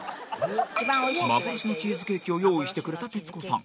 幻のチーズケーキを用意してくれた徹子さん